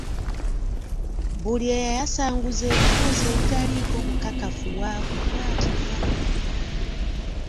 Buli eyayasanguza ebiboozi ebitaliiko bukakafu waakukwatibwa.